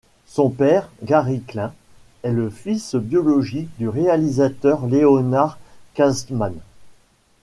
Son père, Gary Klein, est le fils biologique du réalisateur Leonard Katzman.